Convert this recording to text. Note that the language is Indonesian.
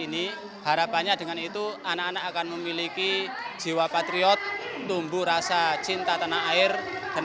ini harapannya dengan itu anak anak akan memiliki jiwa patriot tumbuh rasa cinta tanah air dan